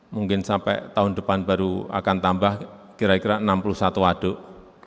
mungkin sampai tahun depan baru akan tambah kira kira enam puluh satu waduk